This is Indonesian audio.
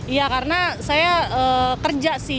iya karena saya kerja sih